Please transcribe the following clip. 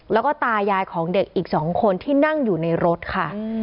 แล้วก็ตายายของเด็กอีก๒คนที่นั่งอยู่ในรถค่ะ